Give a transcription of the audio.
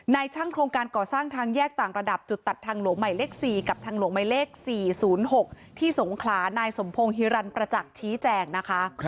ช่างโครงการก่อสร้างทางแยกต่างระดับจุดตัดทางหลวงใหม่เลข๔กับทางหลวงหมายเลข๔๐๖ที่สงขลานายสมพงศ์ฮิรันประจักษ์ชี้แจงนะคะ